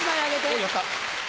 おぉやった！